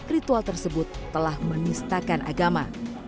ritual tersebut telah menistakan agama